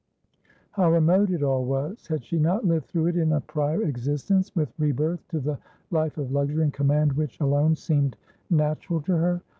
How remote it all was! Had she not lived through it in a prior existence, with rebirth to the life of luxury and command which alone seemed natural to her?